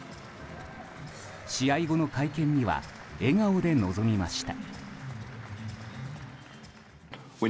試合後の会見には笑顔で臨みました。